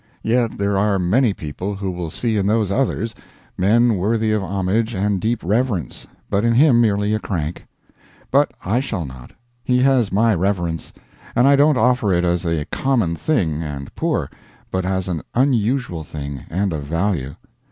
Yet, there are many people who will see in those others, men worthy of homage and deep reverence, but in him merely a crank. But I shall not. He has my reverence. And I don't offer it as a common thing and poor, but as an unusual thing and of value.